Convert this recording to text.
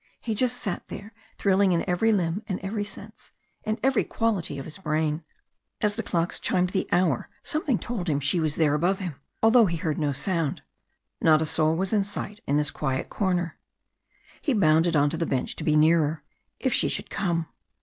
He just sat there thrilling in every limb and every sense and every quality of his brain. As the clocks chimed the hour something told him she was there above him, although he heard no sound. Not a soul was in sight in this quiet corner. He bounded on to the bench to be nearer if she should come.